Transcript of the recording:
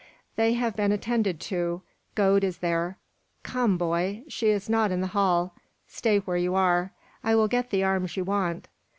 "They have been attended to; Gode is there. Come, boy! She is not in the hall. Stay where you are. I will get the arms you want.